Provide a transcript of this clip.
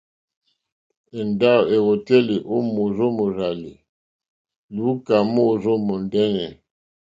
Èndáwò èwòtélì ó mòrzó mòrzàlì lùúkà móòrzó mòndɛ́nɛ̀.